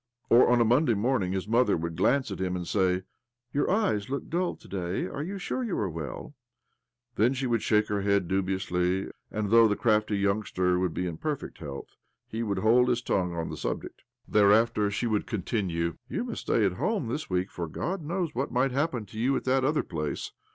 Or on a Monday morning his mother would glance at him, and say :' Your eyes look dull to day. Are you sure that you are well ?" Then she would shake her head dubiously, and though the crafty youngster would be in perfect health, he would hold his tongue on the subject. Thereafter she would continue :' You must stay at home this week, for God knows what might happen to you at that othter place."